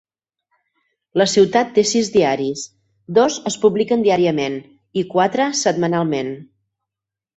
La ciutat té sis diaris; dos es publiquen diàriament i quatre setmanalment.